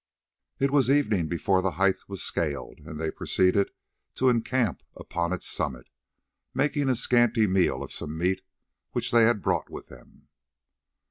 It was evening before the height was scaled, and they proceeded to encamp upon its summit, making a scanty meal of some meat which they had brought with them.